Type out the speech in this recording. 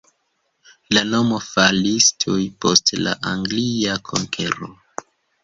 La nomo falis tuj post la anglia konkero.